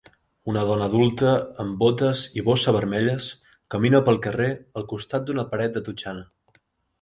Una dona adulta amb botes i bossa vermelles camina pel carrer al costat d'una paret de totxana.